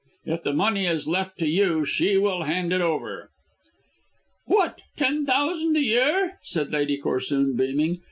If the money is left to you she will hand it over." "What, ten thousand a year?" said Lady Corsoon beaming.